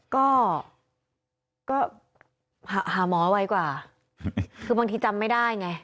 ก็ก็หาหมอไวกว่าคือบางทีจำไม่ได้ไง